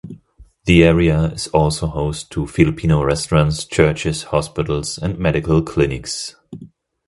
The area is also host to Filipino restaurants, churches, hospitals and medical clinics.